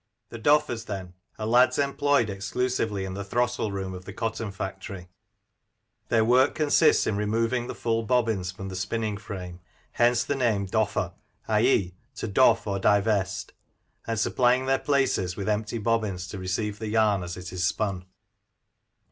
The Doffers, then, are lads employed exclusively in the throstle room of the cotton factory. Their work consists in removing the full bobbins from the spinning frame, — hence the name "Doffer," /.^., to doff, or divest, — and supplying their places with empty bobbins to receive the yarn as it is spun.